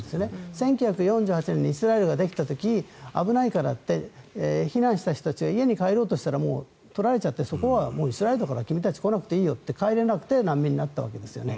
１９４８年にイスラエルができた時に危ないからって避難した人たちが家に帰ろうとしたら取られちゃってそこはイスラエルだから君たち、来なくていいよって帰れなくて難民になったわけですよね。